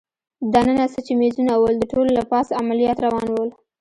دننه څه چي مېزونه ول، د ټولو له پاسه عملیات روان ول.